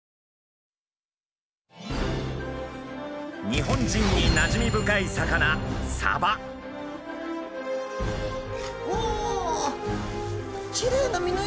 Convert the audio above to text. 日本人になじみ深い魚おお！